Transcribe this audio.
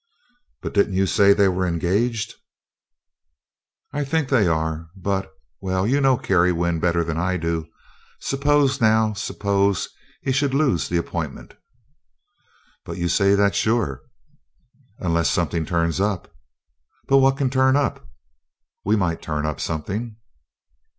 "But didn't you say they were engaged?" "I think they are; but well, you know Carrie Wynn better than I do: suppose, now suppose he should lose the appointment?" "But you say that's sure." "Unless something turns up." "But what can turn up?" "We might turn something."